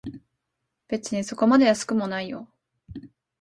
別にそこまで安くもないよ